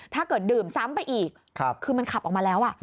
ถ้าเกิดดื่มซ้ำไปอีกคือมันขับออกมาแล้ว